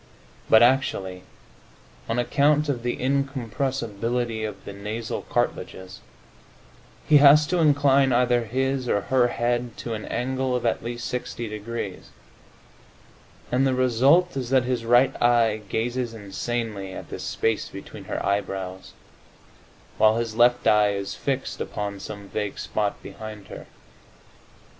But actually, on account of the incompressibility of the nasal cartilages, he has to incline either his or her head to an angle of at least 60 degrees, and the result is that his right eye gazes insanely at the space between her eyebrows, while his left eye is fixed upon some vague spot behind her.